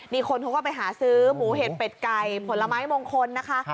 นี่คนเขาก็ไปหาซื้อหมูเห็ดเป็ดไก่ผลไม้มงคลนะคะ